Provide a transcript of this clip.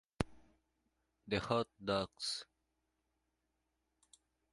The Hot Dogs!